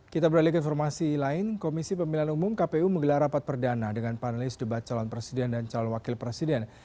kita beralih ke informasi lain komisi pemilihan umum kpu menggelar rapat perdana dengan panelis debat calon presiden dan calon wakil presiden